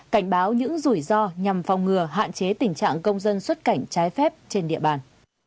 cảnh báo những rủi ro nhằm phòng ngừa hạn chế tình trạng công dân xuất cảnh trái phép trên địa bàn